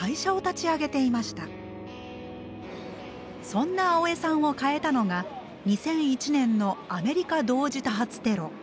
そんな青江さんを変えたのが２００１年のアメリカ同時多発テロ。